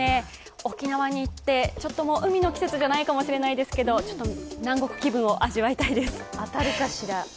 沖縄に行って、もう海の季節じゃないかもしれないですけど南国気分を味わいたいです。